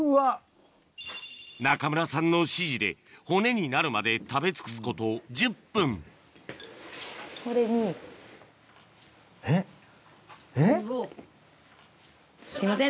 中村さんの指示で骨になるまで食べ尽くすこと１０分すいません